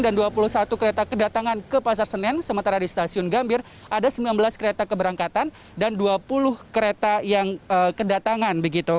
dan dua puluh satu kereta kedatangan ke pasar senen sementara di stasiun gambir ada sembilan belas kereta keberangkatan dan dua puluh kereta yang kedatangan